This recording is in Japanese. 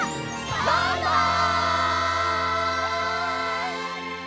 バイバイ！